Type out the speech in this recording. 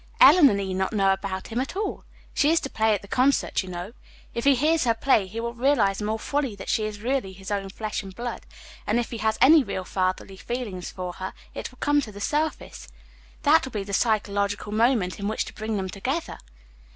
"Eleanor need not know about him at all. She is to play at the concert, you know. If he hears her play he will realize more fully that she is really his own flesh and blood, and if he has any real fatherly feeling for her it will come to the surface. That will be the psychological moment in which to bring them together."